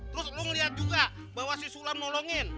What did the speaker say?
terus lo ngeliat juga bahwa si sulam nolongin